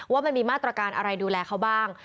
ว่ามันมีมาตรการอะไรดูแลเขาบ้าง